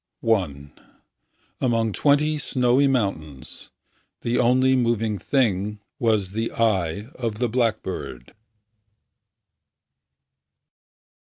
pdf I Among twenty snowy mountains The only moving thing Was the eye of the blackbird.